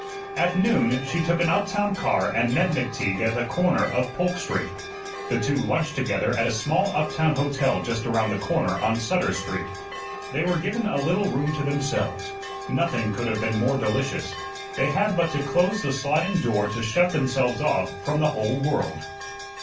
At noon she took an uptown car and met McTeague at the corner of Polk Street. The two lunched together at a small uptown hotel just around the corner on Sutter Street. They were given a little room to themselves. Nothing could have been more delicious. They had but to close the sliding door to shut themselves off from the whole world.